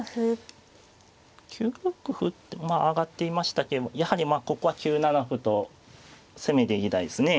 ９六歩って挙がっていましたけどもやはりここは９七歩と攻めていきたいですね。